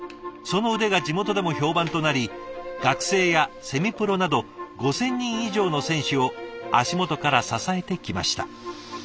その腕が地元でも評判となり学生やセミプロなど５，０００人以上の選手を足元から支えてきました。